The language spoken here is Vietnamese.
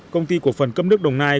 công ty của phần cấp nước đồng nai